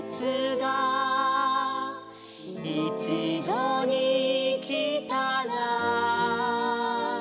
「いちどにきたら」